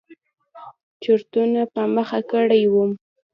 چورتونو په مخه کړى وم.